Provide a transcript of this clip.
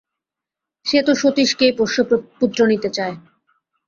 সে তো সতীশকেই পোষ্যপুত্র নিতে চায়।